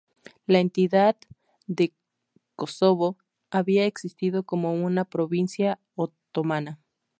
La entidad de Kosovo había existido como una provincia otomana.